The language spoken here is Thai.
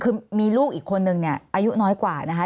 คือมีลูกอีกคนนึงเนี่ยอายุน้อยกว่านะคะ